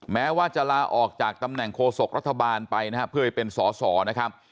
แม้ว่าจะลาออกจากตำแหน่งโฆษกรัฐบาลไปนะครับเพื่อให้เป็นสอสอนะครับ